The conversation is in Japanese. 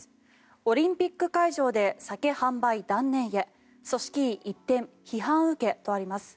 オリンピック会場で酒販売、断念へ組織委一転、批判受けとあります。